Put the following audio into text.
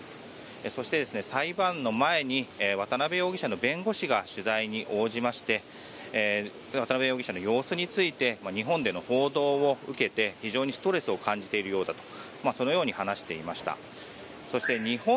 そして裁判の前に渡邉容疑者の弁護士が取材に応じまして渡邉容疑者の様子について日本での報道を受けて非常にストレスを感じているようだとそのように話していました。